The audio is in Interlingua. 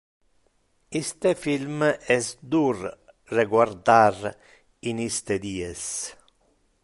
Iste film es dur reguardar in iste dies.